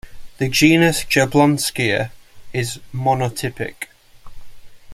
The genus Jablonskia is monotypic.